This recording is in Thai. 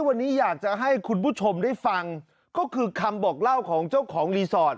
วันนี้อยากจะให้คุณผู้ชมได้ฟังก็คือคำบอกเล่าของเจ้าของรีสอร์ท